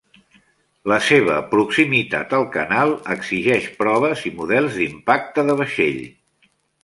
La seva proximitat al canal exigeix proves i models d'impacte de vaixell.